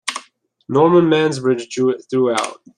Norman Mansbridge drew it throughout.